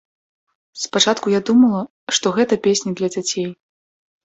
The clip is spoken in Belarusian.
Спачатку я думала, што гэта песні для дзяцей.